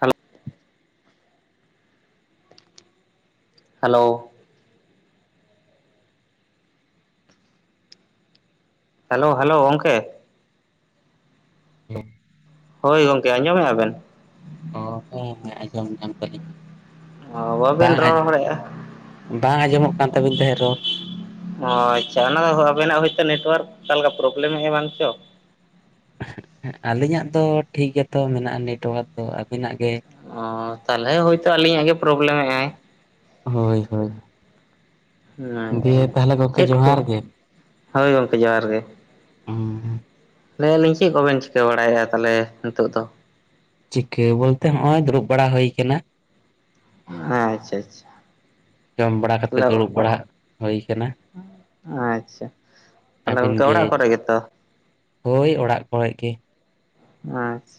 Hello hello hello hello ᱜᱚᱝᱠᱮ [unintelligible] ᱦᱳᱭ ᱜᱚᱢᱠᱮ ᱟᱸᱡᱚᱢᱮᱜ ᱟᱵᱮᱱ ᱦᱚ ᱦᱮᱸ ᱟᱸᱡᱚᱢ ᱧᱟᱢ ᱠᱟᱞᱤᱧ ᱚ ᱵᱟᱵᱮᱱ ᱛᱟᱼᱦᱮᱱ ᱨᱚᱲᱮᱫᱼᱟ ᱵᱟ ᱟᱸᱡᱚᱢᱚᱜ ᱠᱟᱱ ᱛᱟᱞᱤᱧ ᱛᱟᱦᱮᱸᱫ ᱨᱚᱲ ᱚ ᱟᱪᱪᱷᱟ ᱚᱱᱟ ᱫᱚ ᱦᱳ ᱟᱵᱮᱱᱟᱜ ᱦᱳᱭᱛᱳ ᱱᱮᱴᱳᱣᱟᱨᱠ ᱚᱠᱟ ᱞᱮᱠᱟ ᱯᱨᱚᱵᱞᱮᱢ ᱦᱮᱢᱟᱱ ᱪᱚ [unintelligible] ᱟᱹᱞᱤᱧᱟᱜ ᱫᱚ ᱴᱷᱤᱠ ᱜᱮᱛᱚ ᱢᱮᱱᱟᱜᱼᱟ ᱱᱮᱴᱚᱣᱟᱨᱠ ᱫᱚ ᱟᱹᱵᱤᱱᱟᱜ ᱜᱮ ᱛᱟᱦᱚᱞᱮ ᱦᱳᱭᱛᱳ ᱟᱹᱞᱤᱧᱟᱜ ᱜᱮ ᱯᱨᱚᱵᱞᱮᱢᱮᱫᱼᱟᱭ ᱦᱳᱭ ᱦᱳᱭ ᱫᱤᱭᱮ ᱟᱪᱪᱷᱟ ᱛᱟᱦᱚᱞᱮ ᱜᱚᱝᱠᱮ ᱪᱮᱫ ᱠᱚ ᱡᱚᱦᱟᱨ ᱜᱮ ᱦᱳᱭ ᱜᱚᱢᱠᱮ ᱡᱚᱦᱟᱨ ᱜᱮ ᱦᱩᱸ ᱞᱟᱹᱭᱮᱫ ᱟᱹᱞᱤᱧ ᱪᱮᱫ ᱠᱚᱵᱮᱱ ᱪᱤᱠᱟᱹ ᱵᱟᱲᱟᱭᱮᱫᱼᱟ ᱛᱟᱦᱚᱞᱮ ᱱᱤᱛᱚᱜ ᱫᱚ ᱪᱤᱠᱟᱹ ᱵᱚᱞᱛᱮ ᱱᱚᱜᱚᱭ ᱫᱩᱲᱩᱵ ᱵᱟᱲᱟ ᱦᱩᱭ ᱠᱟᱱᱟ᱾ ᱟᱪᱪᱷᱟ ᱟᱪᱪᱷᱟ ᱡᱚᱢ ᱵᱟᱲᱟ ᱠᱟᱛᱮ ᱛᱟᱦᱚᱞᱮ ᱫᱩᱲᱩᱵ ᱵᱟᱲᱟ ᱦᱩᱭ ᱠᱟᱱᱟ ᱟᱪᱪᱷᱟ ᱛᱟᱦᱞᱮ ᱟᱹᱵᱤᱱ ᱜᱚᱢᱠᱮ ᱜᱮ ᱚᱲᱟᱜ ᱠᱚᱨᱮ ᱜᱮᱛᱚ ᱦᱳᱭ ᱚᱲᱟᱜ ᱠᱚᱨᱮ ᱜᱮ ᱟᱪᱷᱟ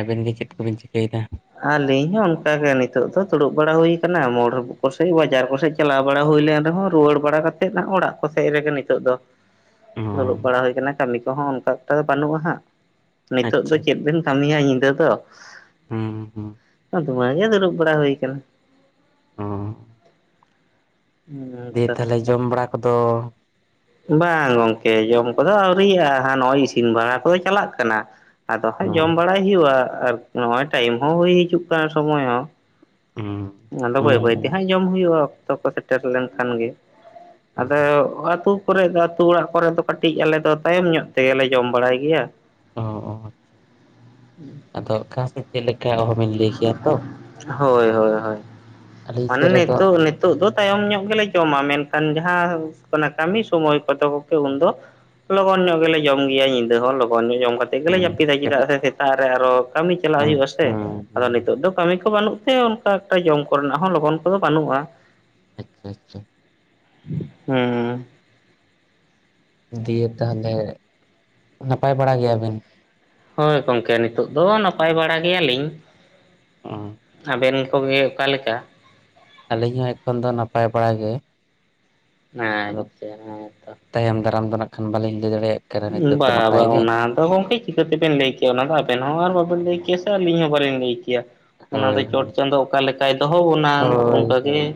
ᱟᱵᱮᱱ ᱜᱮ ᱪᱮᱫ ᱠᱚᱵᱮᱱ ᱪᱤᱠᱟᱹᱭᱮᱫᱟ ᱟᱹᱞᱤᱧ ᱦᱚᱸ ᱚᱱᱠᱟᱜᱮ ᱱᱤᱛᱚᱜ ᱫᱚ ᱫᱩᱲᱩᱵ ᱵᱟᱲᱟ ᱦᱩᱭᱠᱟᱱᱟ ᱢᱳᱲ ᱠᱚᱥᱮᱡ ᱵᱟᱡᱟᱨ ᱠᱚᱥᱮᱫ ᱪᱟᱞᱟᱣ ᱵᱟᱲᱟ [unintelligible] ᱦᱩᱭ ᱞᱮᱱ ᱨᱮᱦᱚᱸ ᱨᱩᱣᱟᱹᱲ ᱵᱟᱲᱟ ᱠᱟᱛᱮᱫ ᱚᱲᱟᱜ ᱠᱚ ᱥᱮᱡ ᱨᱮᱜᱮ ᱱᱤᱛᱚᱜ ᱫᱚ ᱚ ᱫᱩᱲᱩᱵ ᱵᱟᱲᱟ ᱦᱩᱭ ᱠᱟᱱᱟ ᱠᱟᱹᱢᱤ ᱠᱚᱦᱚᱸ ᱚᱱᱠᱟ [unintelligible] ᱫᱚ ᱵᱟᱹᱱᱩᱜᱼᱟ ᱦᱟᱸᱜ ᱱᱤᱛᱚᱜ ᱫᱚ ᱪᱮᱫ ᱵᱮᱱ ᱠᱟᱹᱢᱤᱭᱟ ᱧᱤᱫᱟᱹ ᱫᱚ ᱦᱮᱸ ᱦᱩᱸ ᱫᱩᱲᱩᱵ ᱵᱟᱲᱟ ᱦᱩᱭ ᱟᱠᱟᱱᱟ ᱚ ᱦᱮᱸ ᱫᱤᱭᱮ ᱛᱚ ᱛᱟᱦᱚᱞᱮ ᱡᱚᱢ ᱵᱟᱲᱟ ᱠᱚᱫᱚ ᱵᱟᱝ ᱜᱚᱝᱠᱮ ᱡᱚᱢ ᱠᱚᱫᱚ ᱟᱹᱣᱨᱤᱭᱟᱜᱼᱟ ᱦᱟᱜ ᱱᱚᱜᱼᱚᱭ ᱤᱥᱤᱱ ᱵᱟᱲᱟ ᱠᱚᱫᱚ ᱪᱟᱞᱟᱜ ᱠᱟᱱᱟ ᱟᱫᱚ ᱦᱟᱸᱜ ᱚ ᱡᱚᱢ ᱵᱟᱲᱟᱭ ᱦᱩᱭᱩᱜᱼᱟ ᱟᱨ ᱱᱚᱜᱼᱚᱭ ᱴᱟᱭᱤᱢ ᱦᱚᱸ ᱦᱩᱭ ᱦᱤᱡᱩᱜ ᱠᱟᱱᱟ ᱥᱚᱢᱚᱭ ᱦᱚᱸ ᱦᱩᱸ ᱟᱫᱚ ᱦᱩᱸ ᱵᱟᱹᱭ ᱵᱟᱹᱭᱛᱮ ᱦᱟᱸᱜ ᱡᱚᱢ ᱦᱩᱭᱩᱜᱼᱟ ᱚᱠᱛᱚ ᱠᱚ ᱥᱮᱴᱮᱨ ᱞᱮᱱᱠᱷᱟᱱ ᱜᱮ ᱦᱩᱸ ᱟᱫᱚ [inaudible] ᱠᱚᱨᱮ ᱫᱚ ᱟᱹᱛᱩ ᱚᱲᱟᱜ ᱠᱚᱨᱮ ᱫᱚ ᱠᱟᱹᱴᱤᱡ ᱟᱞᱮ ᱫᱚ ᱛᱟᱭᱚᱢ ᱧᱚᱜ ᱛᱮᱜᱮ ᱞᱮ ᱡᱚᱢ ᱵᱟᱲᱟᱭ ᱜᱮᱭᱟ [unintelligible] [inaudible] ᱚᱦᱚ ᱵᱤᱱ ᱞᱟᱹᱭ ᱠᱮᱭᱟ ᱛᱚ ᱦᱳᱭ ᱦᱳᱭ ᱟᱹᱞᱤᱧ ᱢᱟᱱᱮ ᱥᱮᱫ ᱨᱮᱫᱚ ᱱᱤᱛᱚᱜ ᱱᱤᱛᱚᱜ ᱫᱚ ᱛᱟᱭᱚᱢ ᱧᱚᱜ ᱜᱮᱞᱮ ᱡᱚᱢᱟ ᱢᱮᱱᱠᱷᱟᱱ ᱡᱟᱦᱟᱸ ᱠᱟᱱᱟ ᱠᱟᱹᱢᱤ ᱥᱚᱢᱚᱭ ᱠᱚᱫᱚ [inaudible] ᱩᱱᱫᱚ ᱞᱚᱜᱚᱱ ᱧᱚᱜ ᱜᱮᱞᱮ ᱡᱚᱢ ᱜᱮᱭᱟ ᱧᱤᱫᱟᱹ ᱦᱚᱸ ᱞᱚᱜᱚᱱ ᱧᱚᱜ ᱡᱚᱢ ᱠᱟᱛᱮ ᱜᱮᱞᱮ ᱦᱩᱸ ᱡᱟᱹᱯᱤᱫᱟ ᱪᱮᱫᱟᱜ ᱥᱮ ᱥᱮᱛᱟᱜ ᱨᱮ ᱟᱨᱚ ᱠᱟᱹᱢᱤ ᱪᱟᱞᱟᱜ ᱦᱩᱭᱩᱜᱼᱟ ᱥᱮ ᱟᱫᱚ ᱦᱩᱸ ᱱᱤᱛᱚᱜ ᱫᱚ ᱠᱟᱹᱢᱤ ᱵᱟᱹᱱᱩᱜ ᱛᱮ ᱚᱱᱠᱟ ᱮᱠᱴᱟ ᱡᱚᱢ ᱠᱚᱨᱮᱱᱟᱜ ᱦᱚᱸ ᱞᱚᱜᱚᱱ ᱠᱚᱫᱚ ᱵᱟᱹᱱᱩᱜᱼᱟ ᱟᱪᱪᱷᱟ ᱟᱪᱪᱷᱟ ᱦᱮᱸ ᱫᱤᱭᱮ ᱛᱟᱦᱚᱞᱮ ᱱᱟᱯᱟᱭ ᱵᱟᱲᱟ ᱜᱮᱭᱟᱵᱤᱱ ᱦᱳᱭ ᱜᱚᱝᱠᱮ ᱱᱤᱛᱚᱜ ᱫᱚ ᱱᱟᱯᱟᱭ ᱵᱟᱲᱟ ᱜᱮᱭᱟᱞᱤᱧ ᱟᱵᱮᱱ ᱠᱚᱜᱮ ᱚᱠᱟ ᱞᱮᱠᱟ ᱟᱹᱞᱤᱧ ᱦᱚᱸ ᱮᱠᱷᱚᱱ ᱫᱚ ᱱᱟᱯᱟᱭ ᱵᱟᱲᱟ ᱜᱮ ᱟᱫᱚ ᱟᱪᱪᱷᱟ ᱦᱮᱸ ᱛᱚ ᱛᱟᱭᱚᱢ ᱫᱟᱨᱟᱢ ᱫᱚ ᱵᱟᱹᱞᱤᱧ ᱞᱟᱹᱭ ᱫᱟᱲᱮᱭᱟᱜ ᱠᱟᱱᱟ ᱱᱤᱛᱚᱜ ᱫᱚ ᱵᱟ ᱱᱟᱯᱟᱭ ᱵᱟᱝ ᱜᱮ ᱚᱱᱟ ᱫᱚ ᱜᱚᱢᱠᱮ ᱪᱤᱠᱟᱹᱛᱮᱵᱮᱱ ᱞᱟᱹᱭ ᱠᱮᱭᱟ ᱚᱱᱟ ᱫᱚ ᱟᱵᱮᱱ ᱦᱚᱸ ᱟᱨ ᱵᱟᱵᱮᱱ ᱞᱟᱹᱭ ᱞᱤᱧ ᱦᱚᱸ ᱞᱟᱹᱭ ᱚᱱᱟ ᱦᱳᱭ ᱫᱚ ᱪᱚᱴ ᱦᱳᱭ ᱪᱟᱸᱫᱳ ᱚᱠᱟ ᱞᱮᱠᱟᱭ ᱫᱚᱦᱚ ᱵᱚᱱᱟ ᱦᱳᱭ ᱚᱱᱠᱟᱜᱮ ᱦᱳᱭ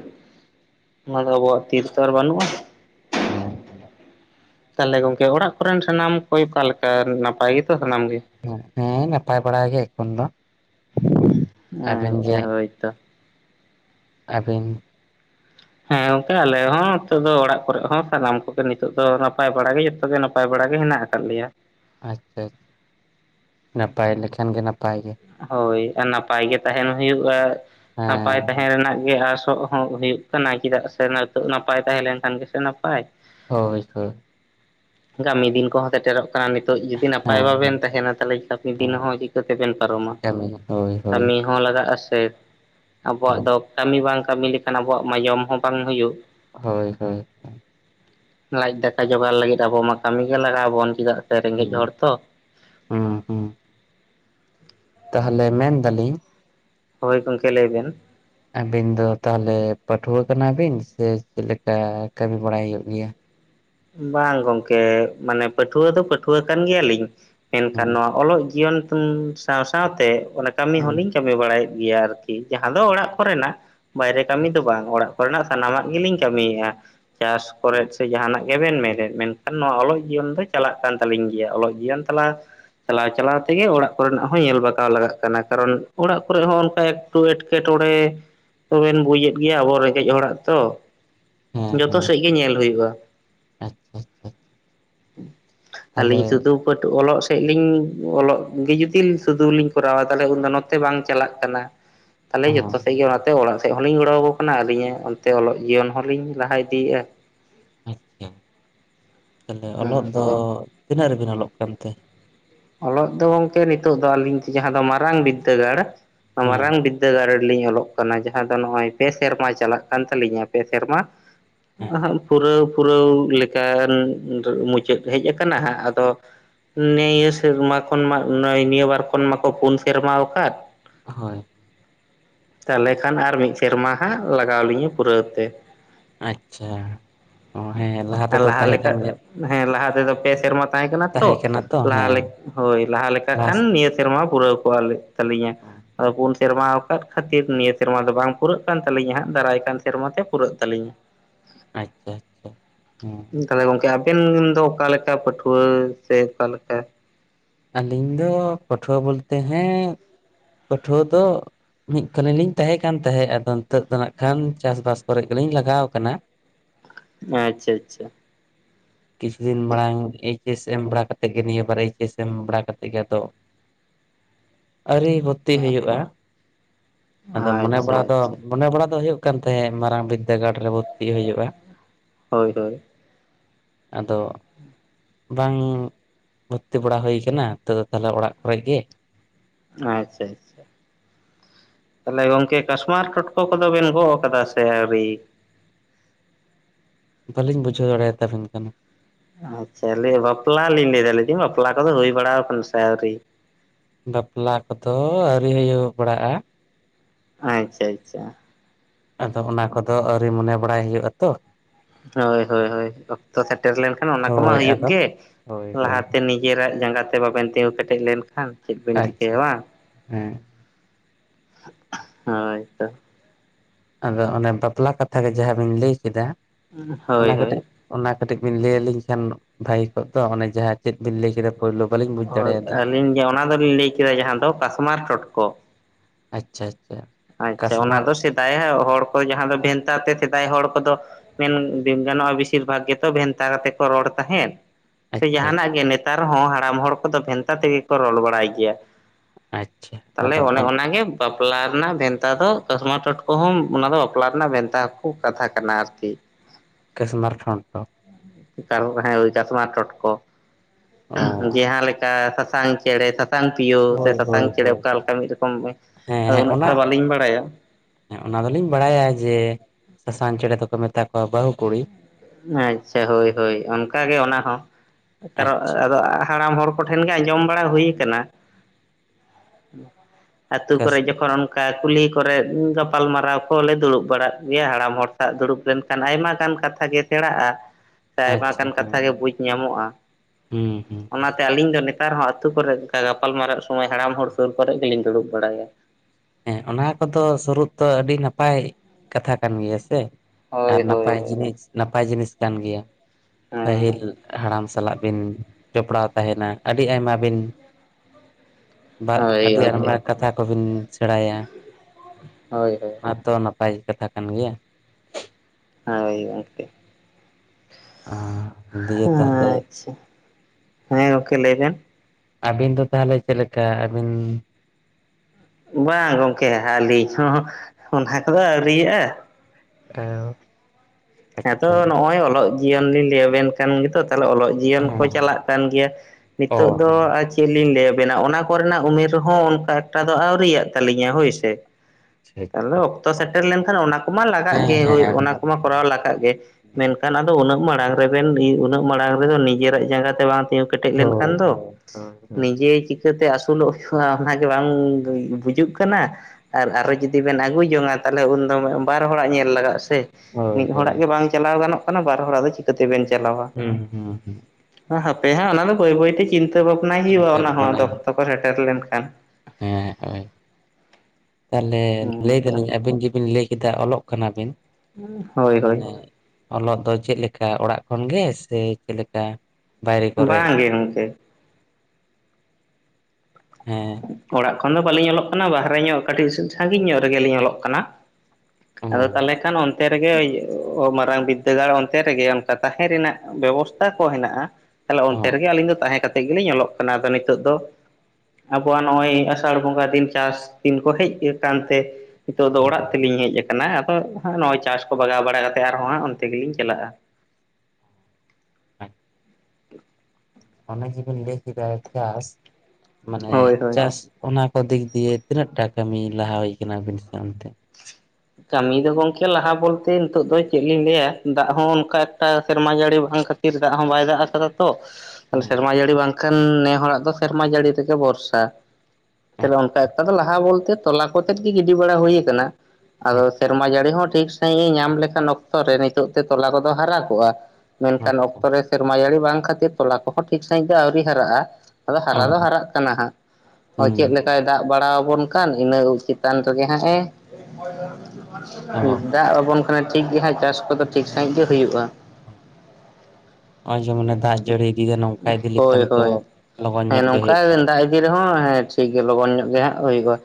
ᱚᱱᱟ ᱫᱚ ᱟᱵᱚᱣᱟᱜ ᱛᱤ ᱨᱮ ᱛᱚ ᱟᱨ ᱵᱟᱹᱱᱩᱜᱼᱟ ᱦᱮᱸ ᱛᱟᱦᱚᱞᱮ ᱜᱚᱢᱠᱮ ᱚᱲᱟᱜ ᱠᱚᱨᱮᱱ ᱥᱟᱱᱟᱢ ᱠᱚᱭ ᱚᱠᱟ ᱞᱮᱠᱟ ᱱᱟᱯᱟᱭ ᱥᱟᱱᱟᱢ ᱜᱮ ᱦᱮᱸ ᱱᱟᱯᱟᱭ ᱵᱟᱲᱟ ᱜᱮ ᱮᱠᱷᱚᱱ ᱫᱚ ᱟᱹᱵᱤᱱ ᱟᱪᱪᱷᱟ ᱜᱮ ᱦᱳᱭᱛᱚ ᱟᱹᱵᱤᱱ ᱦᱮᱸ ᱜᱚᱝᱠᱮ ᱟᱞᱮ ᱦᱚᱸ ᱱᱤᱛᱚᱜ ᱫᱚ ᱚᱲᱟᱜ ᱠᱚᱨᱮᱜ ᱦᱚᱸ ᱥᱟᱱᱟᱢ ᱠᱚᱜᱮ ᱱᱤᱛᱚᱜ ᱫᱚ ᱱᱟᱯᱟᱭ ᱵᱟᱲᱟ ᱜᱮ ᱡᱚᱛᱚᱜ ᱜᱮ ᱱᱟᱯᱟᱭ ᱵᱟᱲᱟ ᱚᱱᱠᱟ ᱜᱮ ᱦᱮᱱᱟᱜ ᱟᱠᱟᱫ ᱞᱮᱭᱟ ᱟᱪᱪᱷᱟ ᱱᱟᱯᱟᱭ ᱞᱮᱠᱷᱟᱱ ᱜᱮ ᱱᱟᱯᱟᱭ ᱜᱮ ᱦᱳᱭ ᱟᱨ ᱱᱟᱯᱟᱭ ᱜᱮ ᱛᱟᱦᱮᱱ ᱦᱩᱭᱩᱜᱼᱟ ᱱᱟᱯᱟᱭ ᱦᱮᱸ ᱛᱟᱦᱮᱸ ᱨᱮᱱᱟᱜ ᱜᱮ [unintelligible] ᱱᱤᱛᱚᱜ ᱦᱚᱸ ᱦᱩᱭᱩᱜ ᱠᱟᱱᱟ ᱪᱮᱫᱟᱜ ᱥᱮ ᱱᱤᱛᱚᱜ ᱱᱟᱯᱟᱭ ᱛᱟᱦᱮᱸ ᱞᱮᱱᱠᱷᱟᱱ ᱜᱮ ᱥᱮ ᱱᱟᱯᱟᱭ ᱦᱳᱭ ᱦᱳᱭ ᱠᱟᱹᱢᱤ ᱫᱤᱱ ᱠᱚᱦᱚᱸ ᱥᱮᱴᱮᱨ ᱚᱜ ᱠᱟᱱᱟ ᱱᱤᱛᱚᱜ ᱡᱩᱫᱤ ᱱᱟᱯᱟᱭ ᱦᱮᱸ ᱵᱟᱵᱮᱱ ᱛᱟᱦᱮᱱᱟ ᱛᱟᱦᱚᱞᱮ ᱦᱟᱯᱮᱱ ᱫᱤᱱ ᱦᱮᱸ ᱦᱚᱸ ᱪᱤᱠᱟᱹᱛᱮᱵᱮᱱ ᱯᱟᱨᱚᱢᱟ ᱠᱟᱹᱢᱤ ᱦᱳᱭ ᱦᱳᱭ ᱠᱟᱹᱢᱤ ᱦᱚᱸ ᱞᱟᱜᱟᱜᱼᱟ ᱥᱮ [unintelligible] ᱟᱵᱚ ᱦᱮᱸ ᱟᱜ ᱫᱚ ᱠᱟᱹᱢᱤ ᱵᱟᱝ ᱠᱟᱹᱢᱤ ᱞᱮᱠᱷᱟᱱ ᱟᱵᱚ ᱟᱜ ᱢᱟ ᱡᱚᱢ ᱦᱚᱸ ᱵᱟᱝ ᱦᱩᱭᱩᱜ᱾ ᱦᱳᱭ ᱦᱳᱭ ᱞᱟᱡ ᱫᱟᱠᱟ ᱡᱚᱜᱟᱲ ᱞᱟᱹᱜᱤᱫ ᱟᱵᱚ ᱢᱟ ᱠᱟᱹᱢᱤ ᱜᱮ ᱞᱟᱜᱟᱣ ᱟᱵᱚᱱ ᱪᱮᱫᱟᱜ ᱥᱮ ᱨᱮᱸᱜᱮᱡ ᱦᱩᱸ ᱦᱚᱲ ᱛᱚ ᱦᱩᱸ ᱦᱩᱸ ᱛᱟᱦᱚᱞᱮ ᱢᱮᱱᱫᱟᱞᱤᱧ ᱦᱳᱭ ᱜᱚᱢᱠᱮ ᱞᱟᱹᱭ ᱵᱮᱱ ᱟᱵᱤᱱ ᱫᱚ ᱛᱟᱦᱚᱞᱮ ᱯᱟᱹᱴᱷᱩᱣᱟᱹ ᱠᱟᱱᱟ ᱵᱤᱱ ᱥᱮ ᱪᱮᱫ ᱞᱮᱠᱟ ᱠᱟᱹᱢᱤ ᱵᱟᱲᱟᱭ ᱦᱩᱭᱩᱜ ᱜᱮᱭᱟ ᱵᱟᱝ ᱜᱚᱝᱠᱮ ᱢᱟᱱᱮ ᱯᱟᱹᱴᱷᱩᱣᱟᱹ ᱫᱚ ᱯᱟᱹᱴᱷᱩᱣᱟᱹ ᱠᱟᱱ ᱜᱮᱭᱟ ᱞᱤᱧ ᱮᱱᱠᱷᱟᱱ ᱦᱩᱸ ᱱᱚᱣᱟ ᱚᱞᱚᱜ ᱡᱤᱭᱚᱱ ᱥᱟᱶ ᱥᱟᱶ ᱛᱮ ᱚᱱᱟ ᱠᱟᱹᱢᱤ ᱦᱚᱸ ᱦᱩᱸ ᱞᱤᱧ ᱠᱟᱹᱢᱤ ᱵᱟᱲᱟᱭ ᱮᱫ ᱜᱮᱭᱟ ᱟᱨᱠᱤ ᱡᱟᱦᱟᱸ ᱫᱚ ᱚᱲᱟᱜ ᱠᱚ ᱨᱮᱱᱟᱜ ᱵᱟᱭᱨᱮ ᱠᱟᱹᱢᱤ ᱫᱚ ᱟᱪᱪᱷᱟ ᱵᱟᱝ ᱚᱲᱟᱜ [inaudible] ᱥᱟᱱᱟᱢᱟᱜ ᱜᱮᱞᱤᱧ ᱠᱟᱹᱢᱤᱭᱟᱼᱟ ᱪᱟᱥ ᱠᱚᱨᱮᱫ ᱥᱮ ᱡᱟᱦᱟᱱᱟᱜ ᱜᱮᱵᱮᱱ ᱢᱮᱱᱮᱫ ᱢᱮᱱᱠᱷᱟᱱ ᱱᱚᱣᱟ ᱚᱞᱚᱜ ᱡᱤᱭᱚᱱ ᱫᱚ ᱪᱟᱞᱟᱜ ᱠᱟᱱ ᱛᱟᱹᱞᱤᱧ ᱜᱮᱭᱟ ᱚᱞᱚᱜ ᱡᱤᱭᱚᱱ ᱛᱟᱞᱟ ᱪᱟᱞᱟᱣ ᱪᱟᱞᱟᱣ ᱛᱮᱜᱮ ᱚᱲᱟᱜ ᱠᱚ ᱨᱮᱱᱟᱜ ᱦᱚᱸ ᱧᱮᱞ ᱵᱟᱜᱟᱣ ᱞᱟᱜᱟᱜ ᱠᱟᱱᱟ ᱠᱟᱨᱚᱱ ᱚᱲᱟᱜ ᱠᱚᱨᱮ ᱦᱚᱸ ᱚᱱᱠᱟ ᱮᱠᱴᱩ ᱮᱴᱠᱮᱴᱚᱬᱮ [inaudible] ᱛᱚᱵᱮᱱ ᱵᱩᱡ ᱜᱮᱭᱟ ᱟᱵᱚ ᱨᱮᱸᱜᱮᱡ ᱦᱚᱲ ᱟᱜ ᱛᱚ ᱦᱮᱸ ᱡᱚᱛᱚ ᱦᱮᱸ ᱥᱮᱫ ᱜᱮ ᱧᱮᱞ ᱦᱩᱭᱩᱜᱼᱟ ᱟᱪᱪᱷᱟ ᱟᱪᱪᱷᱟ ᱟᱪᱪᱷᱟ ᱟᱹᱞᱤᱧ ᱥᱩᱫᱩ ᱯᱟᱹᱴᱷᱩᱶᱟᱹ ᱚᱞᱚᱜ [inaudible] ᱞᱤᱧ ᱚᱞᱚᱜ ᱜᱮ ᱡᱩᱫᱤ ᱥᱩᱫᱩ ᱞᱤᱧ ᱠᱚᱨᱟᱣ-ᱟ ᱛᱟᱦᱚᱞᱮ ᱩᱱᱫᱚ ᱱᱚᱛᱮ ᱵᱟᱝ ᱪᱟᱞᱟᱜ ᱠᱟᱱᱟ ᱛᱟᱦᱚᱞᱮ ᱦᱚᱸ ᱡᱚᱛᱚ ᱥᱮᱫ ᱜᱮ ᱚᱲᱟᱜ ᱥᱮᱫ ᱦᱚᱞᱤᱧ ᱜᱚᱲᱚ ᱠᱟᱱᱟ ᱟᱹᱞᱤᱧ ᱟᱜ ᱚᱱᱛᱮ ᱚᱞᱚᱜ ᱡᱤᱭᱚᱱ ᱦᱚᱸᱞᱤᱧ ᱞᱟᱦᱟ ᱤᱫᱤᱭᱮᱫᱼᱟ [unintelligible] ᱛᱟᱦᱚᱞᱮ ᱚᱞᱚᱜ ᱫᱚ ᱟᱪᱪᱷᱟ ᱛᱤᱱᱟᱹᱜ ᱨᱮᱵᱤᱱ ᱚᱞᱚᱜ ᱠᱟᱱ ᱛᱮ ᱚᱞᱚᱜ ᱫᱚ ᱜᱚᱝᱠᱮ ᱱᱤᱛᱚᱜ ᱫᱚ ᱟᱹᱞᱤᱧ ᱡᱟᱦᱟᱸ ᱫᱚ ᱢᱟᱨᱟᱝ ᱵᱤᱫᱽᱫᱟᱹᱜᱟᱲ ᱦᱮᱸ ᱢᱟᱨᱟᱝ ᱵᱤᱫᱽᱫᱟᱹᱜᱟᱲ ᱞᱤᱧ ᱚᱞᱚᱜ ᱠᱟᱱᱟ ᱡᱟᱦᱟᱸ ᱫᱚ ᱱᱚᱜᱼᱚᱭ ᱯᱮ ᱥᱮᱨᱢᱟ ᱪᱟᱞᱟᱜ ᱠᱟᱱ ᱛᱟᱞᱤ-ᱧᱟ ᱯᱮ ᱥᱮᱨᱢᱟ ᱦᱮᱸ ᱟᱦᱟᱜ ᱯᱩᱨᱟᱹᱣ ᱯᱩᱨᱟᱹᱣ ᱞᱮᱠᱟ ᱢᱩᱪᱟᱹᱫ ᱦᱮᱡ ᱟᱠᱟᱱᱟ ᱦᱟᱜ ᱟᱫᱚ ᱱᱮᱶᱟ ᱥᱮᱨᱢᱟ ᱠᱷᱚᱱ ᱢᱟ ᱱᱤᱭᱟᱹ ᱵᱟᱨ ᱠᱷᱚᱱ ᱢᱟᱠᱚ ᱯᱩᱱ ᱥᱮᱨᱢᱟ ᱟᱠᱟᱜ ᱦᱳᱭ ᱛᱟᱦᱚᱞᱮ ᱠᱷᱟᱱ ᱟᱨ ᱢᱤᱫ ᱥᱮᱨᱢᱟ ᱦᱟᱸᱜ ᱞᱟᱜᱟᱣ ᱟᱞᱤᱧ-ᱟ ᱯᱩᱨᱟᱹᱣ ᱛᱮ ᱟᱪᱪᱷᱟ ᱚ ᱦᱮᱸ ᱛᱮᱫᱚ ᱞᱟᱦᱟ ᱛᱟᱦᱮᱸ ᱞᱮᱠᱟ ᱠᱟᱱ ᱜᱮ ᱦᱮᱸ ᱞᱟᱦᱟ ᱛᱮᱫᱚ ᱯᱮ ᱥᱮᱨᱢᱟ ᱛᱟᱦᱮᱸ ᱠᱟᱱᱟ ᱛᱚ ᱠᱟᱱᱟ ᱛᱚ ᱞᱟᱦᱟ ᱦᱮᱸ ᱞᱮᱠᱟ ᱦᱳᱭ ᱞᱟᱦᱟ ᱞᱮᱠᱟ ᱠᱷᱟᱱ ᱞᱟᱦᱟ ᱱᱤᱭᱟᱹ ᱥᱮᱨᱢᱟ ᱯᱩᱨᱟᱹᱣ ᱠᱚᱜᱼᱟ ᱛᱟᱹᱞᱤᱧᱟ ᱟᱫᱚ ᱯᱩᱱ ᱥᱮᱨᱢᱟ ᱥᱮᱨᱢᱟ ᱟᱠᱟᱫ ᱠᱷᱟᱹᱛᱤᱨ ᱱᱤᱭᱟᱹ ᱥᱮᱨᱢᱟ ᱫᱚ ᱵᱟᱝ ᱯᱩᱨᱟᱹᱜ ᱠᱟᱱ ᱛᱟᱹᱞᱤᱧᱟ ᱦᱟᱸᱜ ᱫᱟᱨᱟᱭ ᱠᱟᱱᱟᱱ ᱥᱮᱨᱢᱟ ᱛᱮ ᱯᱩᱨᱟᱹᱜ ᱛᱟᱹᱞᱤᱧᱟ ᱟᱪᱪᱷᱟ ᱟᱪᱪᱷᱟ ᱦᱮᱸ ᱟᱵᱤᱱ ᱫᱚ ᱚᱠᱟ ᱞᱮᱠᱟ ᱯᱟᱹᱴᱷᱩᱣᱟᱹ ᱥᱮ ᱚᱠᱟ ᱞᱮᱠᱟ ᱟᱹᱞᱤᱧ ᱫᱚ ᱯᱟᱹᱴᱷᱩᱣᱟᱹ ᱵᱚᱞᱛᱮ ᱦᱮᱸ ᱯᱟᱹᱴᱷᱩᱣᱟᱹ ᱫᱚ ᱢᱤᱫ ᱠᱷᱚᱱ ᱞᱤᱧ ᱛᱟᱦᱮᱸ ᱠᱟᱱ ᱛᱟᱦᱮᱸᱫ ᱟᱫᱚ ᱱᱤᱛᱚᱜ ᱫᱚ ᱱᱟᱸᱜ ᱠᱷᱟᱱ ᱪᱟᱥ ᱵᱟᱥ ᱠᱚᱨᱮᱫ ᱜᱮᱞᱤᱧ ᱞᱟᱜᱹᱟᱣ ᱠᱟᱱᱟ ᱟᱪᱪᱷᱟ ᱟᱪᱪᱷᱟ ᱠᱤᱪᱷᱩ ᱫᱤᱱ ᱢᱟᱲᱟᱝ ᱮᱭᱤᱪ ᱮᱥ ᱮᱢ ᱵᱟᱲᱟ ᱠᱟᱛᱮᱫ ᱜᱮ ᱱᱤᱭᱟᱹᱵᱟᱨ ᱮᱭᱤᱪ ᱮᱥ ᱮᱢ ᱵᱟᱲᱟ ᱠᱟᱛᱮ ᱜᱮ ᱟᱫᱚ ᱟᱹᱣᱨᱤ ᱵᱷᱩᱨᱛᱤ ᱦᱩᱭᱩᱜᱼᱟ ᱟᱫᱚ ᱢᱚᱱᱮ ᱟᱪᱪᱷᱟ ᱵᱟᱲᱟ ᱫᱚ ᱟᱪᱪᱷᱟ ᱢᱚᱱᱮ ᱵᱟᱲᱟ ᱫᱚ ᱦᱩᱭᱩᱜ ᱠᱟᱱ ᱛᱟᱦᱮᱸᱫ ᱢᱟᱨᱟᱝ ᱵᱟᱹᱨ ᱵᱤᱨᱽᱫᱟᱹᱜᱟᱲ ᱨᱮ ᱵᱷᱩᱨᱛᱤ ᱦᱩᱭᱩᱜᱼᱟ ᱦᱳᱭ ᱦᱳᱭ ᱟᱫᱚ ᱵᱟᱝ ᱵᱷᱩᱨᱛᱤ ᱜᱟᱛᱤ ᱵᱟᱲᱟ ᱦᱩᱭ ᱠᱟᱱᱟ ᱛᱚ ᱛᱟᱦᱚᱞᱮ ᱚᱲᱟᱜ ᱠᱚᱨᱮ ᱜᱮ ᱟᱪᱪᱷᱟ ᱟᱪᱪᱷᱟ ᱛᱟᱦᱚᱞᱮ ᱜᱚᱝᱠᱮ ᱠᱟᱥᱢᱟᱨ ᱴᱚᱴᱠᱚ ᱠᱚᱫᱚ ᱵᱮᱱ ᱜᱚᱜ ᱠᱟᱫᱟ ᱥᱮ ᱟᱹᱣᱨᱤ ᱵᱟᱹᱞᱤᱧ ᱵᱩᱡᱷᱟᱹᱣ ᱫᱟᱲᱮᱭᱟᱼᱛᱟᱵᱮᱱ ᱠᱟᱱᱟ ᱟᱪᱷᱟ ᱞᱟᱹᱭ ᱵᱟᱯᱞᱟ ᱞᱤᱧ ᱞᱟᱹᱭ ᱫᱟ ᱞᱮ ᱵᱟᱯᱞᱟ ᱠᱚᱫᱚ ᱦᱩᱭ ᱵᱟᱲᱟ ᱟᱠᱟᱱᱟ ᱥᱮ ᱟᱹᱣᱨᱤ ᱵᱟᱯᱞᱟ ᱠᱚᱫᱚ ᱟᱹᱣᱨᱤ ᱦᱩᱭᱩᱜ ᱵᱟᱲᱟᱜᱼᱟ ᱟᱪᱷᱟ ᱟᱪᱪᱷᱟ ᱟᱫᱚ ᱚᱱᱟ ᱠᱚᱫᱚ ᱟᱹᱣᱨᱤ ᱢᱚᱱᱮ ᱵᱟᱲᱟᱭ ᱦᱩᱭᱩᱜ ᱟᱛᱚ? ᱦᱳᱭ ᱦᱳᱭ ᱦᱳᱭ ᱚᱠᱛᱚ ᱥᱮᱴᱮᱨ ᱞᱮᱱᱠᱷᱟᱱ ᱚᱱᱟ ᱠᱚᱢᱟ ᱦᱳᱭ ᱦᱩᱭᱩᱜ ᱟᱫᱚ ᱜᱮ ᱦᱳᱭ ᱦᱳᱭ ᱞᱟᱦᱟᱛᱮ ᱱᱤᱡᱮᱨᱟᱜ ᱡᱟᱸᱜᱟᱛᱮ ᱵᱟᱵᱮᱱ ᱛᱤᱸᱜᱩ ᱠᱮᱴᱮᱡ ᱞᱮᱱᱠᱷᱟᱱ ᱪᱮᱫ ᱵᱮᱱ ᱪᱤᱠᱟᱹᱭᱟ ᱟᱪᱪᱷᱟ ᱵᱟᱝ, ᱦᱮᱸ ᱦᱳᱭᱛᱚ ᱟᱫᱚ ᱚᱱᱮ ᱵᱟᱯᱞᱟ ᱠᱟᱛᱷᱟᱜᱮ ᱡᱟᱦᱟᱸ ᱵᱤᱱ ᱞᱟᱹᱭ ᱠᱮᱫᱟ ᱦᱳᱭ ᱚᱱᱟ ᱠᱟᱹᱴᱤᱡ ᱦᱳᱭ ᱚᱱᱟ ᱠᱟᱹᱴᱤᱡ ᱵᱤᱱ ᱞᱟᱹᱭ ᱟᱹᱞᱤᱧ ᱠᱷᱟᱱ ᱵᱷᱟᱹᱜᱤ ᱠᱚᱜ ᱛᱚ ᱚᱱᱮ ᱡᱟᱦᱟᱸ ᱪᱮᱫ ᱵᱤᱱ ᱞᱟᱹᱭ ᱠᱮᱫᱟ? ᱯᱳᱭᱞᱳ ᱵᱟᱹᱞᱤᱧ ᱵᱩᱡᱽ ᱦᱳᱭ ᱫᱟᱲᱮᱭᱟᱫᱟ ᱟᱹᱞᱤᱧ ᱜᱮ ᱚᱱᱟ ᱫᱚᱞᱤᱧ ᱞᱟᱹᱭ ᱠᱮᱫᱟ ᱡᱟᱦᱟᱸ ᱫᱚ ᱠᱟᱥᱢᱟᱨ ᱴᱚᱴᱠᱚ ᱟᱪᱷᱟᱷᱟᱪ ᱟᱪᱪᱷᱟ ᱚᱱᱟ ᱫᱚ ᱥᱮᱫᱟᱭ ᱦᱚᱲ ᱠᱚ ᱡᱟᱦᱟᱸ ᱫᱚ ᱵᱷᱮᱱᱛᱟ ᱛᱮ ᱥᱮᱫᱟᱭ ᱦᱚᱲ ᱠᱚ ᱠᱚᱫᱚ ᱢᱮᱱ ᱜᱟᱱᱚᱜᱼᱟ ᱵᱮᱥᱤᱨ ᱵᱷᱟᱜᱽ ᱜᱮᱛᱚ ᱵᱷᱮᱱᱛᱟ ᱠᱟᱛᱮᱫ ᱠᱚ ᱨᱚᱲ ᱛᱟᱦᱮᱸᱫ ᱥᱮ ᱟᱪᱪᱷᱟ ᱡᱟᱦᱟᱱᱟᱜ ᱜᱮ ᱱᱮᱛᱟᱨ ᱦᱚᱸ ᱦᱟᱲᱟᱢ ᱦᱚᱲ ᱠᱚᱫᱚ ᱵᱷᱮᱱᱛᱟ ᱛᱮᱜᱮ ᱠᱚ ᱨᱚᱲ ᱵᱟᱲᱟᱭ ᱜᱮᱭᱟ ᱟᱪᱪᱷᱟ ᱛᱟᱦᱚᱞᱮ ᱟᱫᱚ ᱚᱱᱮ ᱚᱱᱟᱜᱮ ᱵᱟᱯᱞᱟ ᱨᱮᱱᱟᱜ ᱵᱷᱮᱱᱛᱟ ᱫᱚ ᱪᱟᱥᱢᱟ ᱴᱚᱴ ᱠᱚ ᱦᱚᱸᱢ ᱚᱱᱟ ᱫᱚ ᱵᱟᱯᱞᱟ ᱨᱮᱱᱟᱜ ᱵᱷᱮᱱᱛᱟ ᱠᱩ ᱠᱟᱛᱷᱟ ᱠᱟᱱᱟ ᱟᱨᱠᱤ ᱠᱟᱥᱢᱟᱨ ᱴᱷᱚᱱᱴᱚ ᱦᱮᱸ ᱪᱟᱥᱢᱟ ᱴᱚᱴ ᱠᱚ ᱚ ᱡᱟᱦᱟᱸᱞᱮᱠᱟ ᱥᱟᱥᱟᱝ ᱪᱮᱸᱻᱬᱮᱸ ᱥᱟ ᱥᱟᱥᱟᱝ ᱯᱤᱭᱳ ᱥᱮ ᱦᱳᱭ ᱦᱳᱭ ᱥᱟᱥᱟᱝ ᱪᱮᱸᱻᱬᱮᱸ ᱦᱳᱭ ᱚᱠᱟ ᱞᱮᱠᱟ ᱢᱤᱫ ᱨᱚᱠᱚᱢ ᱦᱮᱸ ᱦᱮᱸ ᱩᱱᱟᱹ ᱚᱱᱟ ᱦᱮᱸ ᱚᱱᱟ ᱫᱚᱞᱤᱧ ᱵᱟᱲᱟᱭᱟ ᱡᱮ ᱥᱟᱥᱟᱝ ᱪᱮᱸᱻᱬᱮᱸ ᱫᱚᱠᱚ ᱢᱮᱛ ᱛᱠᱚ ᱵᱟ ᱠᱚ ᱵᱟᱹᱦᱩ ᱠᱩᱲᱤ ᱟᱪᱷᱟ ᱦᱳᱭ ᱦᱳᱭ ᱚᱱᱠᱟᱜᱮ ᱚᱱᱟ ᱦᱚᱸ ᱠᱟᱨᱚ ᱟᱪᱪᱷᱟ ᱟᱫᱚ ᱦᱟᱲᱟᱢ ᱦᱚᱲ ᱠᱚᱴᱷᱮᱱ ᱜᱮ ᱟᱸᱡᱚᱢ ᱵᱟᱲᱟ ᱦᱩᱭ ᱟᱠᱟᱱᱟ ᱟᱛᱩ ᱠᱟᱥ ᱠᱚᱨᱮ ᱡᱚᱠᱷᱚᱱ ᱚᱠᱟ ᱠᱩᱞᱦᱤ ᱠᱚᱨᱮ ᱜᱟᱯᱟᱞᱢᱟᱨᱟᱣ ᱠᱚᱞᱮ ᱫᱩᱲᱩᱵ ᱵᱟᱲᱟᱜ ᱜᱮᱭᱟ ᱦᱟᱲᱟᱢ ᱦᱚᱲ ᱥᱟᱶ ᱫᱩᱲᱩᱵ ᱞᱮᱱᱠᱷᱟᱱ ᱟᱭᱢᱟ ᱜᱟᱱ ᱠᱟᱛᱷᱟ ᱜᱮ ᱥᱮᱬᱟᱸᱜᱼᱟ ᱥᱮ ᱟᱭᱢᱟ ᱟᱪᱪᱷᱟ ᱜᱟᱱ ᱦᱮᱸ ᱠᱟᱛᱷᱟ ᱜᱮ ᱦᱮᱸ ᱵᱩᱡᱽ ᱧᱟᱸᱢᱚᱜᱼᱟ, ᱦᱩᱸ ᱦᱩᱸ ᱚᱱᱟᱛᱮ ᱟᱹᱞᱤᱧ ᱫᱚ ᱱᱤᱛ ᱱᱮᱛᱟᱨ ᱦᱚᱸ ᱟᱛᱩ ᱠᱚᱨᱮ ᱚᱠᱟ ᱜᱟᱯᱟᱞ ᱢᱟᱨᱟᱨᱟᱜ ᱥᱚᱢᱚᱭ ᱦᱟᱲᱟᱢ ᱦᱚᱲ ᱥᱩᱨ ᱠᱚᱨᱮ ᱜᱮᱞᱤᱧ ᱫᱩᱲᱩᱵ ᱵᱟᱲᱟᱭᱟ ᱦᱮᱸ ᱚᱱᱟ ᱠᱚᱫᱚ ᱥᱩᱨᱩᱜ ᱫᱚ ᱟᱹᱰᱤ ᱱᱟᱯᱟᱭ ᱠᱟᱛᱷᱟ ᱠᱟᱱ ᱜᱮᱭᱟ ᱥᱮ ᱦᱳᱭ ᱟᱨ ᱦᱳᱭ ᱱᱟᱯᱟᱸᱭ ᱦᱳᱭ ᱡᱤᱱᱤᱥ ᱱᱟᱯᱟᱸᱭ ᱡᱤᱱᱤᱥ ᱠᱟᱱ ᱜᱮᱭᱟ ᱯᱟᱹᱦᱤᱞ ᱦᱮᱸ ᱦᱟᱲᱟᱢ ᱥᱟᱞᱟᱜ ᱵᱤᱱ ᱡᱚᱯᱲᱟᱣ ᱛᱟᱦᱮᱸᱱᱟ ᱟᱹᱰᱤ ᱟᱭᱢᱟ ᱵᱤᱱ ᱵᱟᱜ ᱦᱳᱭ ᱟᱹᱰᱤ ᱜᱚᱢᱠᱮ ᱟᱭᱢᱟ ᱠᱟᱛᱷᱟ ᱠᱚᱵᱤᱱ ᱥᱮᱬᱟᱸᱭᱟ ᱦᱳᱭ ᱦᱳᱭ ᱱᱟᱯᱟᱭ ᱠᱟᱛᱷᱟ ᱠᱟᱱ ᱜᱮᱸᱭᱟ ᱦᱳᱭ ᱜᱚᱢᱠᱮ ᱟᱨ ᱫᱤᱭᱮ ᱦᱮᱸ ᱛᱟᱦᱚᱞᱮ ᱟᱪᱷᱟ, ᱦᱮᱸ ᱜᱚᱢᱠᱮ ᱞᱟᱹᱭᱵᱮᱱ ᱟᱵᱤᱱ ᱫᱚ ᱛᱟᱦᱚᱞᱮ ᱪᱮᱫ ᱞᱮᱠᱟ ᱟᱹᱵᱤᱱ ᱵᱟᱝ ᱜᱚᱢᱠᱮ ᱟᱞᱤᱧ ᱦᱚᱸ ᱚᱱᱟ ᱠᱚᱫᱚ ᱟᱹᱣᱨᱤᱭᱟᱜᱼᱟ ᱟᱣᱻ ᱦᱮᱸᱛᱚ ᱱᱚᱜᱼᱚᱭ ᱚᱞᱚᱜ ᱡᱤᱭᱚᱱ ᱞᱤᱸᱧ ᱞᱟᱹᱭᱟᱵᱮᱱ ᱠᱟᱱ ᱜᱮᱸᱛᱚ ᱚᱞᱚᱜ ᱡᱤᱭᱚᱱ ᱠᱚ ᱪᱟᱞᱟᱜ ᱠᱟᱱ ᱜᱮᱭᱟ, ᱚ ᱱᱤᱛᱚᱜ ᱫᱚ ᱦᱮᱸ ᱟᱨ ᱪᱮᱫ ᱞᱤᱧ ᱞᱟᱹᱭᱟ ᱵᱮᱱᱟᱜ ᱚᱱᱟ ᱠᱚᱨᱮᱱᱟᱜ ᱩᱢᱮᱨ ᱦᱚᱸ ᱚᱱᱠᱟ ᱮᱠᱴᱟ ᱫᱚ ᱟᱹᱣᱨᱤᱭᱟᱜ ᱛᱟᱹᱟᱞᱤᱧᱟᱸ ᱦᱳᱭᱥᱮ ᱦᱮᱞᱳᱻ ᱚᱠᱛᱚ ᱥᱮᱴᱮᱨ ᱞᱮᱱᱠᱷᱟᱱ ᱚᱱᱟ ᱠᱚᱢᱟ ᱞᱟᱜᱟᱜ ᱜᱮ ᱦᱳᱭ ᱟᱪᱪᱷᱟ ᱚᱱᱟ ᱦᱮᱸ ᱠᱚᱢᱟ ᱦᱮᱸ ᱠᱚᱨᱟᱣ ᱞᱟᱜ ᱠᱟᱜᱻᱜᱮ, ᱢᱮᱱᱠᱷᱟᱱ ᱟᱫᱚ ᱩᱱᱟᱹᱜ ᱢᱟᱲᱟᱝ ᱨᱮᱵᱮᱱ ᱩᱱᱟᱹᱜ ᱢᱟᱲᱟᱝ ᱨᱮᱫᱚ ᱱᱤᱡᱮᱨᱟᱜ ᱡᱟᱸᱜᱟ ᱛᱮ ᱵᱟᱝ ᱠᱮᱴᱮᱡ ᱦᱳᱭ ᱞᱮᱱᱠᱷᱟᱱ ᱫᱚ ᱦᱳᱭ ᱦᱳᱭ ᱦᱳᱭ ᱱᱤᱡᱮ ᱪᱤᱠᱟᱹᱛᱮ ᱟᱹᱥᱩᱞᱚᱜ ᱦᱩᱭᱩᱜᱼᱟ ᱚᱱᱟ ᱜᱮ ᱵᱟᱝ ᱵᱩᱡᱩᱜ ᱠᱟᱱᱟ ᱟᱨ ᱟᱨᱚ ᱡᱩᱫᱤ ᱵᱮᱱ ᱟᱹᱜᱩ ᱡᱚᱝᱻᱟ ᱛᱟᱦᱚᱞᱮ ᱩᱸᱱᱫᱚ ᱵᱟᱨ ᱦᱚᱲᱟᱜ ᱧᱮᱸᱞ ᱞᱟᱜᱟᱜᱼᱟ ᱥᱮ ᱦᱳᱭ ᱢᱤᱫ ᱦᱚᱲᱟᱜ ᱜᱮ ᱦᱳᱭ ᱵᱟᱝ ᱪᱟᱞᱟᱣ ᱜᱟᱱᱚᱜ ᱠᱟᱱᱟ ᱵᱟᱨ ᱦᱚᱲᱟᱜ ᱫᱚ ᱪᱤᱠᱟᱹᱛᱮ ᱵᱮᱱ ᱦᱩᱸ ᱦᱩᱸ ᱦᱩᱸ ᱦᱟᱯᱮ ᱦᱟᱸ ᱚᱱᱟ ᱫᱚ ᱵᱟᱹᱭ ᱵᱟᱹᱭᱛᱮ ᱪᱤᱱᱛᱟᱹ ᱵᱷᱟᱵᱽᱱᱟᱭ ᱦᱩᱭᱩᱜᱼᱟ ᱪᱤᱱᱛᱟᱹ ᱚᱱᱟ ᱦᱚᱸ ᱟᱫᱚ ᱵᱷᱟᱵᱱᱟᱭ ᱚᱠᱛᱚ ᱠᱚ ᱥᱮᱴᱮᱨ ᱞᱮᱱᱠᱷᱟᱱ ᱦᱮᱸ ᱦᱳᱭ ᱛᱟᱦᱚᱞᱮ ᱦᱮᱸ ᱞᱟᱹᱭ ᱛᱚ ᱫᱟᱞᱤᱧ ᱟᱹᱵᱤᱱ ᱡᱮᱵᱤᱱ ᱞᱟᱹᱭ ᱠᱮᱫᱟ ᱚᱞᱚᱜ ᱠᱟᱱᱟ ᱵᱤᱱ ᱦᱳᱭ ᱦᱳᱭ ᱢᱟᱱᱮ ᱚᱞᱚᱜ ᱫᱚ ᱪᱮᱫ ᱞᱮᱠᱟ ᱚᱲᱟᱜ ᱠᱷᱚᱱ ᱜᱮ ᱥᱮ ᱪᱮᱫ ᱞᱮᱠᱟ ᱵᱟᱭᱨᱮ ᱠᱚᱨᱮ ᱵᱟᱝ ᱜᱮ ᱜᱚᱝᱠᱮ ᱦᱮᱸ ᱚᱲᱟᱜ ᱠᱷᱚᱱ ᱫᱚ ᱵᱟᱹᱞᱤᱧ ᱚᱞᱚᱜ ᱠᱟᱱᱟ ᱵᱟᱦᱨᱮ ᱧᱚᱜ ᱠᱟᱹᱴᱤᱡ ᱥᱮᱫ ᱥᱟᱺᱜᱤᱧ ᱧᱚᱜ ᱨᱮᱜᱮᱞᱤᱧ ᱚᱞᱚᱜ ᱠᱟᱱᱟ ᱟᱫᱚ ᱚ ᱛᱟᱞᱮ ᱠᱷᱟᱱ ᱚᱱ ᱚᱱᱛᱮ ᱨᱮᱜᱮ ᱢᱟᱨᱟᱝ ᱵᱤᱫᱽᱫᱟᱹᱜᱟᱲ ᱚᱱᱛᱮ ᱨᱮᱜᱮ ᱚᱱᱠᱟ ᱛᱟᱦᱮᱸ ᱨᱮᱱᱟᱜ ᱵᱮᱵᱚᱥᱛᱟ ᱠᱚ ᱦᱮᱱᱟᱜᱼᱟ ᱛᱟᱦᱚᱞᱮ ᱚ ᱚᱱᱛᱮ ᱨᱮᱜᱮ ᱟᱹᱞᱤᱧ ᱫᱚ ᱛᱟᱦᱮᱸ ᱠᱟᱛᱮᱫ ᱜᱮᱞᱤᱧ ᱚᱞᱚᱜ ᱠᱟᱱᱟ ᱟᱫᱚ ᱱᱤᱛᱚᱜ ᱫᱚ ᱟᱵᱚᱣᱟᱜ ᱱᱚᱜᱼᱚᱭ ᱟᱥᱟᱲ ᱵᱚᱸᱜᱟ ᱫᱤᱱ ᱪᱟᱥ ᱫᱤᱱ ᱠᱚ ᱦᱮᱡ ᱟᱠᱟᱱᱛᱮ ᱱᱤᱛᱚᱜ ᱫᱚ ᱚᱲᱟᱜ ᱛᱮᱞᱤᱧ ᱦᱮᱡ ᱟᱠᱟᱱᱟ ᱟᱫᱚ ᱱᱚᱜᱼᱚᱭ ᱪᱟᱥ ᱠᱚ ᱵᱟᱜᱟᱣ ᱵᱟᱲᱟ ᱠᱟᱛᱮᱫ ᱟᱨᱦᱚᱸ ᱦᱟᱸᱜ ᱚᱱᱛᱮ ᱜᱮᱞᱤᱧ ᱪᱟᱞᱟᱜᱼᱟ [inaudible] [unintelligible] [unintelligible] ᱚᱱᱟ ᱡᱤᱵᱤᱱ ᱞᱟᱹᱭ ᱠᱮᱫᱟ ᱪᱟᱥ ᱢᱟᱱᱮ ᱦᱳᱭ ᱦᱳᱭ ᱪᱟᱥ ᱚᱱᱟ ᱫᱤᱠ ᱫᱤᱭᱮ ᱛᱤᱱᱟᱹᱜ ᱴᱟ ᱠᱟᱹᱢᱤ ᱞᱟᱦᱟ ᱦᱩᱭ ᱠᱟᱱᱟ ᱟᱹᱵᱤᱱ ᱥᱮ ᱚᱱᱛᱮ ᱠᱟᱹᱢᱤ ᱫᱚ ᱜᱚᱝᱠᱮ ᱞᱟᱦᱟ ᱵᱚᱞᱛᱮ ᱱᱤᱛᱚᱜ ᱫᱚ ᱪᱮᱫ ᱞᱤᱧ ᱞᱟᱹᱭᱟ ᱫᱟᱜ ᱦᱚᱸ ᱚᱱᱠᱟ ᱮᱠᱴᱟ ᱥᱮᱨᱢᱟ ᱡᱟᱹᱲᱤ ᱵᱟᱝ ᱠᱷᱟᱹᱛᱤᱨ ᱫᱟᱜ ᱦᱚᱸ ᱵᱟᱭ ᱫᱟᱜ ᱟᱠᱟᱫᱟ ᱛᱚ ᱦᱩᱸ ᱥᱮᱨᱢᱟ ᱡᱟᱹᱲᱤ ᱵᱟᱝᱠᱷᱟᱱ ᱱᱮ ᱦᱚᱲᱟᱜ ᱫᱚ ᱥᱮᱨᱢᱟ ᱡᱟᱹᱲᱤ ᱛᱮᱜᱮ ᱵᱚᱨᱥᱟ ᱛᱮᱵᱮ ᱚᱱᱠᱟ ᱟᱪᱪᱷᱟ ᱮᱠᱴᱟ ᱫᱚ ᱞᱟᱦᱟ ᱵᱚᱞᱛᱮ ᱛᱚᱞᱟ ᱠᱚᱛᱮᱫ ᱜᱮ ᱜᱤᱰᱤ ᱵᱟᱲᱟ ᱦᱩᱭ ᱟᱠᱟᱱᱟ ᱟᱫᱚ ᱟᱪᱪᱷᱟ ᱥᱮᱨᱢᱟ ᱡᱟᱹᱲᱤ ᱦᱚᱸ ᱴᱷᱤᱠ ᱥᱟᱺᱦᱤᱡ ᱮ ᱧᱟᱢ ᱞᱮᱠᱷᱟᱱ ᱚᱠᱛᱚ ᱨᱮ ᱱᱤᱛᱚᱜ ᱛᱮ ᱛᱚᱞᱟ ᱠᱚᱫᱚ ᱦᱟᱨᱟ ᱠᱚᱜᱼᱟ ᱢᱮᱱᱠᱷᱟᱱ ᱟᱪᱪᱷᱟ ᱚᱠᱛᱚ ᱨᱮ ᱥᱮᱨᱢᱟ ᱡᱟᱹᱲᱤ ᱵᱟᱝ ᱠᱷᱟᱹᱛᱤᱨ ᱛᱚᱞᱟ ᱠᱚᱦᱚᱸ ᱴᱷᱤᱠ ᱥᱟᱺᱦᱤᱡ ᱫᱚ ᱟᱹᱣᱨᱤ ᱦᱟᱨᱟᱜᱼᱟ ᱟᱫᱚ ᱚ ᱦᱟᱨᱟ ᱫᱚ ᱦᱟᱨᱟᱜ ᱠᱟᱱᱟ ᱦᱟᱸᱜ ᱦᱩᱸ ᱪᱮᱫ ᱞᱮᱠᱟᱭ ᱫᱟᱜ ᱵᱟᱲᱟᱣ ᱚᱱᱠᱟᱱ ᱤᱱᱟᱹ ᱩ ᱪᱮᱛᱟᱱ ᱨᱮᱜᱮ ᱦᱟᱸᱜ ᱮ ᱚ ᱦᱮᱸ ᱫᱟᱜ ᱟᱵᱚᱱ ᱠᱟᱱᱟ ᱴᱷᱤᱠ ᱜᱮ ᱦᱟᱸᱜ ᱪᱟᱥ ᱠᱚᱫᱚ ᱴᱷᱤᱠ ᱥᱟᱺᱦᱤᱡ ᱜᱮ ᱦᱩᱭᱩᱜᱼᱟ ᱱᱚᱜᱼᱚᱭ ᱡᱮ ᱢᱟᱱᱮ ᱫᱟᱜ ᱡᱟᱹᱲᱤ ᱤᱫᱤᱭᱟ ᱱᱚᱝᱠᱟ ᱤᱫᱤ ᱦᱳᱭ ᱞᱮᱠᱷᱟᱱ ᱫᱚ ᱦᱳᱭ ᱞᱚᱜᱚᱱ ᱦᱮᱸ ᱧᱚᱜ ᱜᱮ ᱦᱩᱭᱩᱜ ᱱᱚᱝᱠᱟᱭ ᱛᱟᱵᱚᱱᱟ ᱫᱟᱜ ᱤᱫᱤ ᱨᱮᱦᱚᱸ ᱦᱮᱸ ᱴᱷᱤᱠ ᱜᱮ ᱞᱚᱜᱚᱱ ᱧᱚᱜ ᱜᱮ ᱦᱟᱸᱜ ᱦᱩᱭᱩᱜᱚᱜᱼᱟ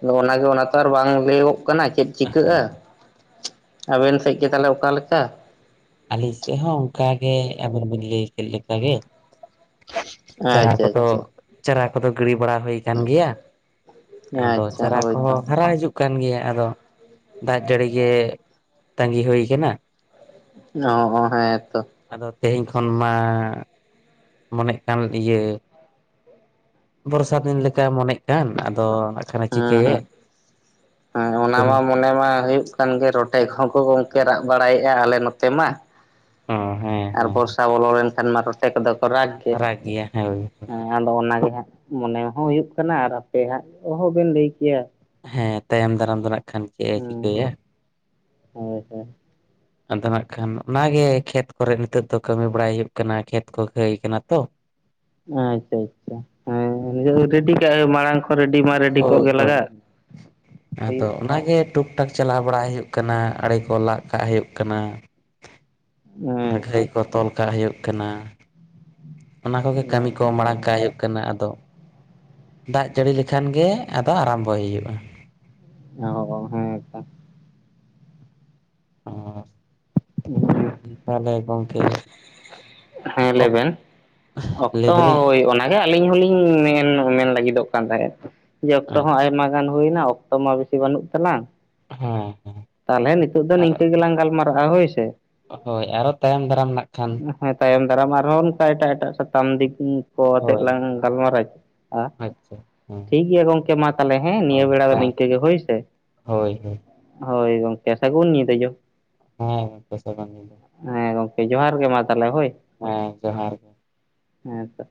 ᱟᱫᱚ ᱚᱱᱟᱜᱮ ᱚᱱᱟ ᱛᱮ ᱟᱨ ᱵᱟᱝ ᱞᱟᱹᱭᱩᱜᱚᱜ ᱠᱟᱱᱟ ᱪᱮᱫ ᱪᱤᱠᱟᱹᱜᱼᱟ ᱦᱳᱭ ᱟᱵᱮᱱ ᱥᱮᱫ ᱜᱮ ᱛᱟᱦᱚᱞᱮ ᱚᱠᱟ ᱞᱮᱠᱟ ᱟᱞᱤᱧ ᱥᱮᱫ ᱦᱚᱸ ᱚᱱᱠᱟᱜᱮ ᱟᱵᱤᱱ ᱵᱤᱱ ᱞᱟᱹᱭ ᱠᱮᱫ ᱞᱮᱠᱟᱜᱮ ᱪᱟᱨᱟ ᱟᱪᱪᱷᱟ ᱠᱚᱫᱚ ᱟᱪᱪᱷᱟ ᱪᱟᱨᱟ ᱠᱚᱫᱚ ᱜᱤᱰᱤ ᱵᱟᱲᱟ ᱦᱩᱭ ᱠᱟᱱ ᱜᱮᱭᱟ ᱟᱫᱚ ᱟᱪᱪᱷᱟ ᱪᱟᱨᱟ ᱦᱳᱭᱛᱚ ᱠᱚᱦᱚᱸ ᱦᱟᱨᱟ ᱦᱤᱡᱩᱜ ᱠᱟᱱ ᱜᱮᱭᱟ ᱟᱫᱚ ᱫᱟᱜ ᱡᱟᱹᱲᱤ ᱜᱮ ᱛᱟᱺᱜᱤ ᱦᱩᱭ ᱠᱟᱱᱟ ᱚᱸᱦᱚ ᱦᱮᱸᱛᱚ ᱟᱫᱚ ᱛᱮᱦᱮᱧ ᱠᱷᱚᱱ ᱢᱟ ᱢᱚᱱᱮᱜ ᱠᱟᱱ ᱤᱭᱟᱹ ᱵᱚᱨᱥᱟ ᱫᱤᱱ ᱞᱮᱠᱟ ᱢᱚᱱᱮᱜ ᱠᱟᱱ ᱟᱫᱚ ᱟᱠᱷᱟᱱᱮ ᱦᱮᱸ ᱦᱮᱸ ᱪᱤᱠᱟᱹᱭᱮᱫ ᱦᱮᱸ ᱚᱱᱟ ᱢᱟ ᱛᱮᱦᱮᱧ ᱢᱚᱱᱮ ᱢᱟ ᱦᱩᱭᱩᱜ ᱠᱟᱱ ᱜᱮ ᱨᱚᱴᱮ ᱠᱚᱦᱚᱸ ᱠᱚ ᱜᱚᱝᱠᱮ ᱨᱟᱜ ᱵᱟᱲᱟᱭᱮᱫ ᱮᱭᱟ ᱟᱞᱮ ᱱᱚᱛᱮ ᱢᱟ ᱚᱸ ᱟᱨ ᱵᱚᱨᱥᱟ ᱵᱚᱞᱚ ᱞᱮᱱᱠᱷᱟᱱ ᱢᱟ ᱨᱚᱴᱮ ᱠᱚᱫᱚ ᱠᱚ ᱨᱟᱜᱽ ᱜᱮ ᱨᱟᱜ ᱜᱮᱭᱟ ᱦᱳᱭ ᱦᱮᱸ ᱟᱫᱚ ᱚᱱᱟᱜᱮ ᱦᱟᱸᱜ ᱢᱚᱱᱮ ᱦᱚᱸ ᱦᱩᱭᱩᱜ ᱠᱟᱱᱟ ᱟᱨ ᱟᱯᱮ ᱦᱟᱸᱜᱦ ᱵᱮᱱ ᱞᱟᱹᱭ ᱠᱮᱭᱟ ᱦᱮᱸ ᱛᱟᱭᱚᱢ ᱫᱟᱨᱟᱢ ᱫᱚ ᱱᱟᱜ ᱠᱷᱟᱱ ᱪᱮᱫᱼ ᱮ ᱦᱮᱸ ᱪᱤᱠᱟᱹᱭᱟ ᱦᱳᱭ ᱦᱳᱭ ᱟᱫᱚ ᱱᱟᱜ ᱠᱷᱟᱱ ᱚᱱᱟᱜᱮ ᱠᱷᱮᱛ ᱠᱚᱨᱮ ᱱᱤᱛᱚᱜ ᱫᱚ ᱠᱟᱹᱢᱤ ᱵᱟᱲᱟᱭ ᱦᱩᱭᱩᱜ ᱠᱟᱱᱟ ᱠᱷᱮᱛ ᱠᱚ ᱠᱷᱟᱹᱭ ᱠᱟᱱᱟ ᱛᱚ ᱟᱪᱪᱷᱟ ᱟᱪᱪᱷᱟ ᱦᱮᱸ ᱱᱤᱛ ᱨᱮᱰᱤ ᱠᱟᱜ ᱢᱟᱲᱟᱝ ᱠᱷᱚᱱ ᱨᱮᱰᱤ ᱢᱟ ᱨᱮᱰᱤ ᱦᱳᱭ ᱠᱚᱜ ᱜᱮ ᱦᱳᱭ ᱞᱟᱜᱟᱜ ᱟᱫᱚ ᱦᱩᱭᱩᱜ ᱚᱱᱟᱜᱮ ᱴᱩ ᱴᱟᱠ ᱪᱟᱞᱟᱣ ᱵᱟᱲᱟ ᱦᱩᱭᱩᱜ ᱠᱟᱱᱟ ᱟᱲᱮ ᱠᱚ ᱞᱟᱜ ᱠᱟᱜ ᱦᱩᱭᱩᱜ ᱠᱟᱱᱟ ᱚᱱᱟ ᱟᱪᱪᱷᱟ ᱜᱷᱟᱹᱭ ᱠᱚ ᱛᱚᱞ ᱠᱟᱜ ᱦᱩᱭᱩᱜ ᱠᱟᱱᱟ ᱚᱱᱟ ᱠᱚᱜᱮ ᱟᱪᱪᱷᱟ ᱠᱟᱹᱢᱤ ᱠᱚ ᱟᱪᱪᱷᱟ ᱢᱟᱲᱟᱝ ᱠᱟᱜ ᱦᱩᱭᱩᱜ ᱦᱮᱸ ᱠᱟᱱᱟ ᱟᱫᱚ ᱫᱟᱜ ᱡᱟᱹᱲᱤ ᱞᱮᱠᱷᱟᱱ ᱜᱮ ᱟᱫᱚ ᱟᱨᱟᱢᱵᱚᱭ ᱦᱩᱭᱩᱜᱼᱟ ᱚ ᱦᱮᱸ ᱛᱚ ᱚ ᱛᱟᱦᱞᱮ ᱜᱚᱝᱠᱮ ᱦᱮᱸ ᱞᱟᱹᱭᱵᱮᱱ ᱚᱠᱛᱚ ᱞᱟᱹᱭ ᱦᱚᱸ ᱫᱟᱞᱤᱧ ᱦᱳᱭ ᱚᱱᱟᱜᱮ ᱟᱹᱞᱤᱧ ᱦᱚᱸᱞᱤᱧ ᱢᱮᱱ ᱞᱟᱹᱜᱤᱫ ᱛᱟᱦᱮᱸᱫ ᱡᱮ ᱚᱠᱛᱚ ᱦᱚᱸ ᱟᱪᱪᱷᱟ ᱟᱭᱢᱟ ᱜᱟᱱ ᱦᱩᱭᱮᱱᱟ ᱚᱠᱛᱚ ᱢᱟ ᱵᱮᱥᱤ ᱵᱟᱹᱱᱩᱜ ᱛᱟᱞᱟᱝ ᱦᱮᱸ ᱦᱮᱸ ᱛᱟᱦᱚᱞᱮ ᱱᱤᱛᱚᱜ ᱫᱚ ᱟᱨ ᱱᱤᱝᱠᱟᱹ ᱜᱮᱞᱟᱝ ᱜᱟᱞᱢᱟᱨᱟᱜᱼᱟ ᱦᱳᱭ ᱥᱮ ᱦᱳᱭ ᱟᱨᱚ ᱛᱟᱭᱚᱢ ᱫᱟᱨᱟᱢ ᱠᱷᱟᱱ ᱟᱨᱟᱢ ᱟᱨᱦᱚᱸ ᱚᱱᱠᱟ ᱮᱴᱟᱜ ᱮᱴᱟᱜ ᱥᱟᱛᱟᱢ ᱫᱤᱠ ᱠᱚ ᱟᱛᱮᱫ ᱦᱳᱭ ᱞᱟᱝ ᱜᱟᱞᱢᱟᱨᱟᱣᱼᱟ ᱟᱪᱪᱷᱟ ᱦᱮᱸ ᱴᱷᱤᱠ ᱜᱮᱭᱟ ᱜᱚᱢᱠᱮ ᱢᱟ ᱛᱟᱦᱞᱮ ᱦᱮᱸ ᱱᱤᱭᱟᱹ ᱵᱮᱲᱟ ᱫᱚ ᱦᱳᱭ ᱱᱤᱝᱠᱟᱹ ᱜᱮ ᱦᱳᱭ ᱥᱮ ᱦᱳᱭ ᱦᱳᱭ ᱜᱚᱝᱠᱮ ᱥᱟᱜᱩᱱ ᱧᱤᱫᱟᱹ ᱦᱮᱸ ᱯᱮᱥ ᱠᱟᱱᱟᱢ ᱫᱚ ᱦᱮᱸ ᱜᱚᱝᱠᱮ ᱡᱚᱦᱟᱨ ᱜᱮ ᱢᱟ ᱛᱟᱦᱚᱞᱮ ᱦᱮᱸ ᱡᱚᱦᱟᱨ ᱜᱮ ᱦᱮᱸᱛᱚ